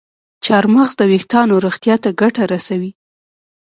چارمغز د ویښتانو روغتیا ته ګټه رسوي.